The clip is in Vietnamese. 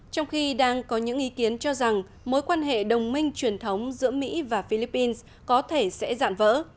trong khi đang có những ý kiến cho rằng mối quan hệ đồng minh truyền thống giữa mỹ và philippines có thể sẽ giảm vỡ